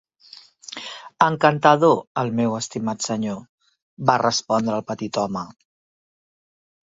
"Encantador, el meu estimat senyor", va respondre el petit home.